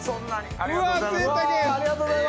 ありがとうございます。